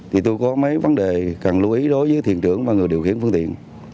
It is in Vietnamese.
thì tôi có mấy vấn đề cần lưu ý đối với thiền trưởng và người điều khiển phương tiện